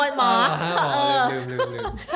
อ๋ออ๋อลืมลืมลืม